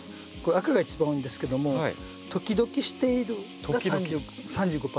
赤が一番多いんですけども「ときどきしている」が３５％と。